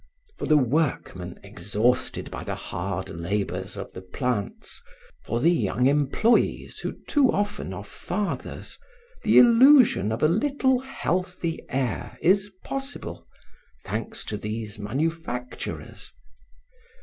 "For the workmen exhausted by the hard labors of the plants, for the young employes who too often are fathers, the illusion of a little healthy air is possible, thanks to these manufacturers.